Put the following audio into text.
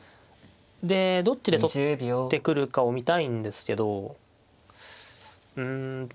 でどっちで取ってくるかを見たいんですけどうんもうどう。